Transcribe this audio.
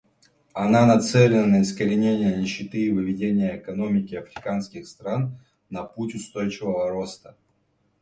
Она нацелена на искоренение нищеты и выведение экономики африканских стран на путь устойчивого роста.